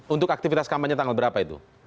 untuk aktivitas kampanye tanggal berapa itu